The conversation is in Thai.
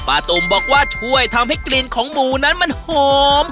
ตุ่มบอกว่าช่วยทำให้กลิ่นของหมูนั้นมันหอม